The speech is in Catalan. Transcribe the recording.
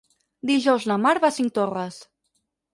Dijous na Mar va a Cinctorres.